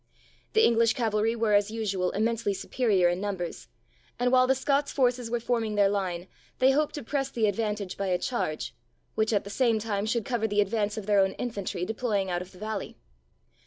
The English cavalry were, as usual, immensely superior in numbers, and while the Scots forces were forming their line, they hoped to press the advantage by a charge, which at the same time should cover the advance of their own infantry deploying out of the valley.